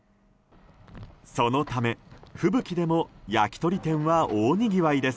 そのため、吹雪でも焼き鳥店は大にぎわいです。